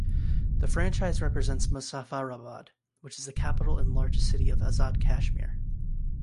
The franchise represents Muzaffarabad which is capital and largest city of Azad Kashmir.